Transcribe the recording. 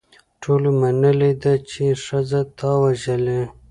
ټولو منلې ده چې ښځه تا وژلې.